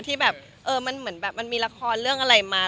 ที่แบบมันมีราคอเรื่องอะไรมา